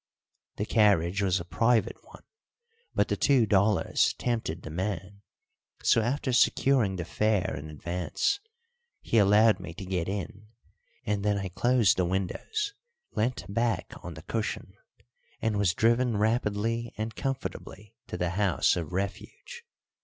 The carriage was a private one, but the two dollars tempted the man, so after securing the fare in advance, he allowed me to get in, and then I closed the windows, leant back on the cushion, and was driven rapidly and comfortably to the house of refuge.